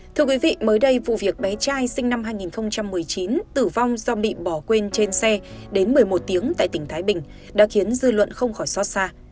thưa quý vị mới đây vụ việc bé trai sinh năm hai nghìn một mươi chín tử vong do bị bỏ quên trên xe đến một mươi một tiếng tại tỉnh thái bình đã khiến dư luận không khỏi xót xa